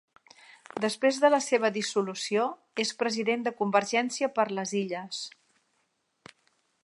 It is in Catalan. Després de la seva dissolució és President de Convergència per les Illes.